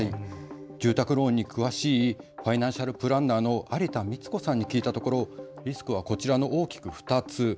住宅ローンに詳しいファイナンシャルプランナーの有田美津子さんに聞いたところリスクはこちらの大きく２つ。